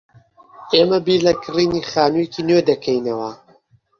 ئێمە بیر لە کڕینی خانوویەکی نوێ دەکەینەوە.